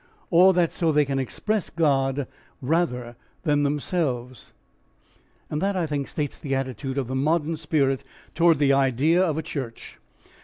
Or that so they can express God rather than themselves. That I think states the attitude of the modern spirit towards the idea of a church.